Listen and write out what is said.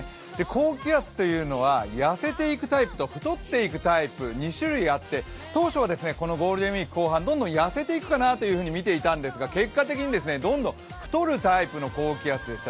高気圧というのは痩せていくタイプと太っていくタイプ、２種類あって当初はこのゴールデンウイーク後半、どんどん痩せていくかなとみていたんですが結果的にどんどん太るタイプの高気圧でした。